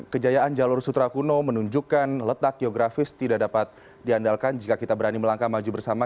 kejayaan jalur sutra kuno menunjukkan letak geografis tidak dapat diandalkan jika kita berani melangkah maju bersama